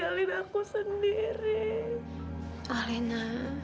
sampai jumpa di video selanjutnya